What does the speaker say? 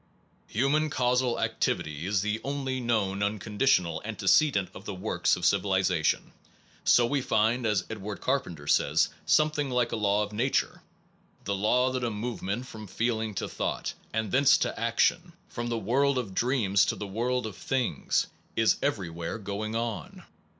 Human causal activity is the only known unconditional antecedent of the w r orks of civilization; so we find, as Edward Carpenter says, 1 something like a law of na ture, the law that a movement from feeling to thought and thence to action, from the world of dreams to the world of things, is everywhere going on.